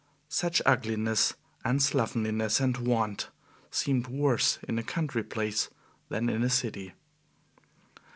Such ugliness and slovenliness and want seemed worse in a country place than in a city.